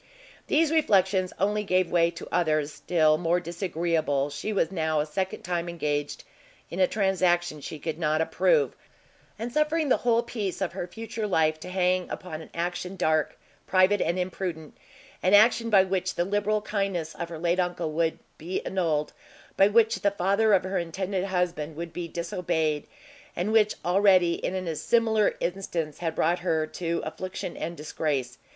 These reflections only gave way to others still more disagreeable; she was now a second time engaged in a transaction she could not approve, and suffering the whole peace of her future life to hang upon an action dark, private and imprudent: an action by which the liberal kindness of her late uncle would be annulled, by which the father of her intended husband would be disobeyed, and which already, in a similar instance, had brought her to affliction and disgrace.